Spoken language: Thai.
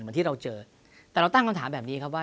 เหมือนที่เราเจอแต่เราตั้งคำถามแบบนี้ครับว่า